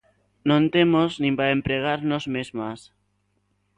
Non temos nin para empregar nós mesmas.